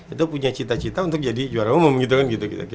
itu punya cita cita untuk jadi juara umum gitu kan gitu